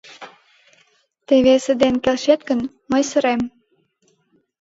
Тый весе ден келшет гын, мый сырем.